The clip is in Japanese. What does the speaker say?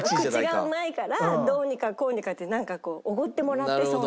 口がうまいからどうにかこうにかってなんかこうおごってもらってそうな。